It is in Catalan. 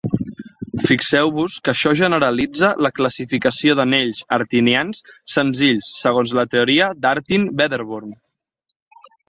Fixeu-vos que això generalitza la classificació d'anells artinians senzills segons la teoria d'Artin-Wedderburn.